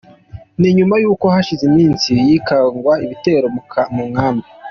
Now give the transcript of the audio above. Ni nyuma y’uko hashize iminsi hikangwa ibitero mu nkambi.